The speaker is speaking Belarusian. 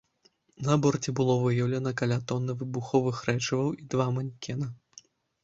На борце было выяўлена каля тоны выбуховых рэчываў і два манекена.